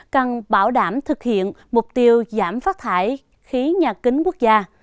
cần bảo đảm thực hiện mục tiêu giảm phát thải khí nhà kính quốc gia